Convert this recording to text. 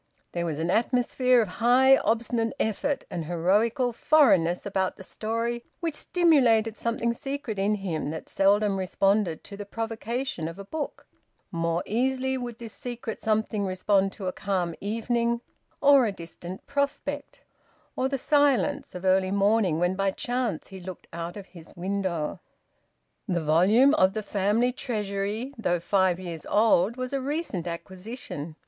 There was an atmosphere of high obstinate effort and heroical foreign ness about the story which stimulated something secret in him that seldom responded to the provocation of a book; more easily would this secret something respond to a calm evening or a distant prospect, or the silence of early morning when by chance he looked out of his window. The volume of "The Family Treasury," though five years old, was a recent acquisition.